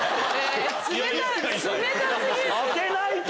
当てないと！